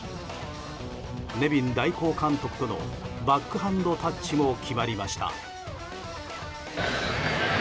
ネビン代行監督とのバックハンドタッチも決まりました。